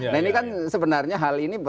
nah ini kan sebenarnya hal ini